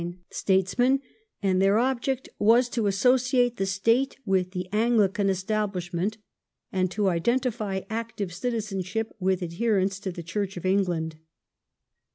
1901] EDUCATION 9 statesmen, and their object was to associate the State with the Anglican Establishment, and to identify active citizenship with adherence to the Church of England.